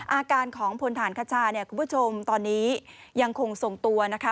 อาการของพลฐานคชาเนี่ยคุณผู้ชมตอนนี้ยังคงส่งตัวนะคะ